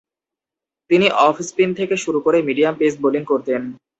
তিনি off spin থেকে শুরু করে মিডিয়াম পেস বোলিং করতেন।